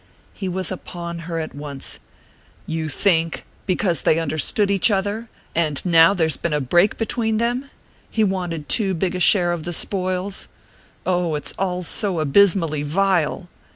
He was upon her at once. "You think because they understood each other? And now there's been a break between them? He wanted too big a share of the spoils? Oh, it's all so abysmally vile!"